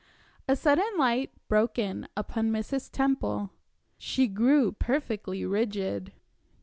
A sudden light broke in upon Mrs. Temple. She grew perfectly rigid.